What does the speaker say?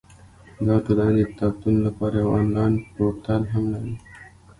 دا ټولنه د کتابتون لپاره یو انلاین پورتل هم لري.